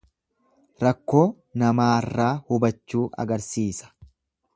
Rakkoo namaarraa hubachuu agarsiisa.